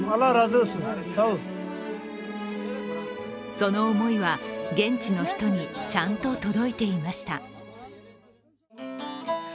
その思いは、現地の人にちゃんと届いていました。